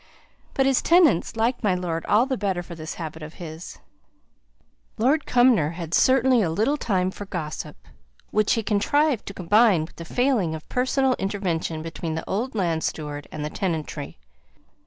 But his tenants liked my lord all the better for this habit of his. Lord Cumnor had certainly a little time for gossip, which he contrived to combine with the failing of personal intervention between the old land steward and the tenantry.